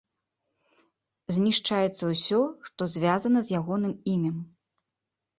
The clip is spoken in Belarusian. Знішчаецца ўсё, што звязана з ягоным імем.